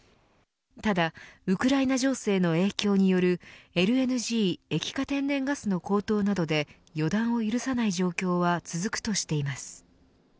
ただウクライナ情勢の影響によるＬＮＧ液化天然ガスの高騰などで予断を許さない状況は続くとしています。